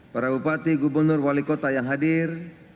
para bupati gubernur wali kota yang hadir